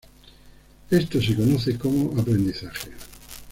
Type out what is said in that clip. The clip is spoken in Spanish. Esto se conoce como aprendizaje.